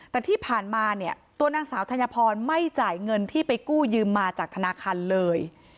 แต่ที่ผ่านมาเนี่ยตัวนางสาวธัญพรไม่จ่ายเงินที่ไปกู้ยืมมาจากธนาคารเลย